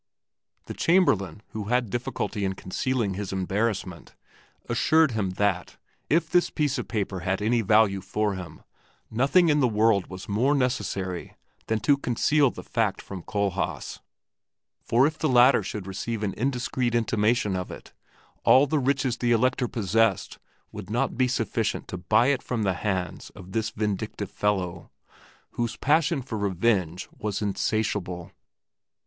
The Chamberlain, who had difficulty in concealing his embarrassment, assured him that, if this piece of paper had any value for him, nothing in the world was more necessary than to conceal the fact from Kohlhaas, for if the latter should receive an indiscreet intimation of it, all the riches the Elector possessed would not be sufficient to buy it from the hands of this vindictive fellow, whose passion for revenge was insatiable.